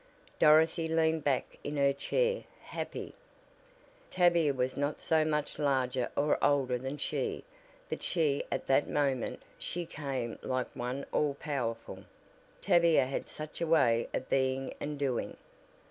Dorothy leaned back in her chair happy. Tavia was not so much larger or older than she, but just at that moment she came like one all powerful; Tavia had such a way of being and doing.